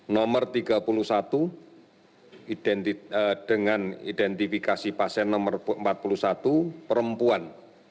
nomor tiga puluh satu dengan identifikasi pasien nomor empat puluh satu perempuan